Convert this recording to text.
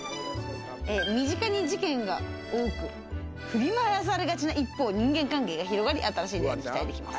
身近に事件が多く振り回されがちな一方、人間関係が広がり、新しい出会いに期待できます。